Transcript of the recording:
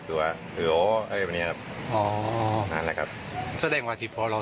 ตัวเหลืออะไรแบบเนี้ยครับอ๋อนั่นแหละครับแสดงว่าที่พอเรา